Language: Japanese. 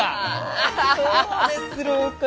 あそうですろうか？